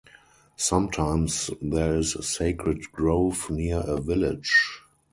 Sometimes there is a sacred grove near a village.